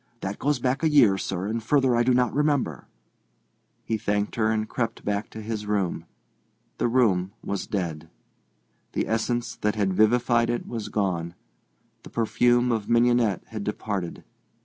That goes back a year, sir, and further I do not remember." He thanked her and crept back to his room. The room was dead. The essence that had vivified it was gone. The perfume of mignonette had departed.